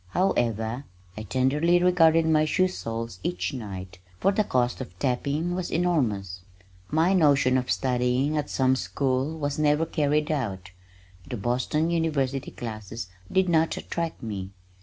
However, I tenderly regarded my shoe soles each night, for the cost of tapping was enormous. My notion of studying at some school was never carried out. The Boston University classes did not attract me.